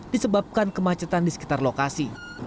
disebabkan kemacetan di sekitar lokasi